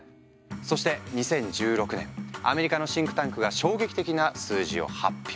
そして２０１６年アメリカのシンクタンクが衝撃的な数字を発表。